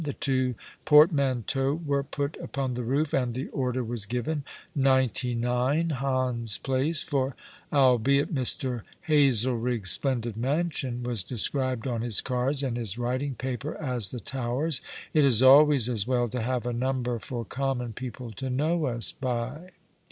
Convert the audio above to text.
The two portmanteaux were put upon the roof, and the order was given — 99, Hans Place — for albeit Mr. Ilazelrigg's splendid mansion was described on his cards and his writing paper as The Towers, it is always as well to have a number Tor common people to know us by.